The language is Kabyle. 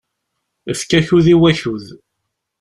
Efk akud i wakud.